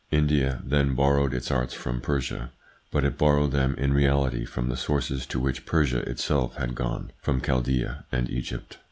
India, then, borrowed its arts from Persia, but it borrowed them in reality from the sources to which Persia itself had gone, from Chaldaea and Egypt.